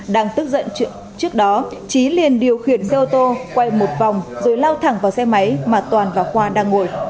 đang tức giận trước đó trí liền điều khiển xe ô tô quay một vòng rồi lao thẳng vào xe máy mà toàn và khoa đang ngồi